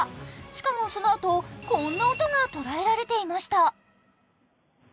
しかも、そのあと、こんな音が捉えられていました。